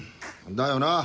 だよな。